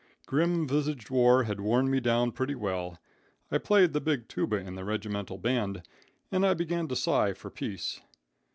Grim visaged war had worn me down pretty well. I played the big tuba in the regimental band, and I began to sigh for peace.